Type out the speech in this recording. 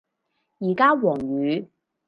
而家黃雨